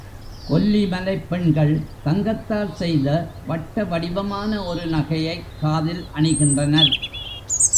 கொல்லிமலைப் பெண்கள் தங்கத்தால் செய்த வட்ட வடிவமான ஒரு நகையைக் காதில் அணிகின்ற னர்.